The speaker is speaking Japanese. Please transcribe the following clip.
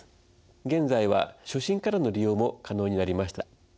現在は初診からの利用も可能になりました。